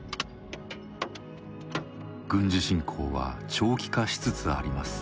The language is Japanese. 軍事侵攻は長期化しつつあります。